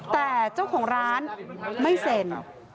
แต่เจ้าของร้านไม่เซ็น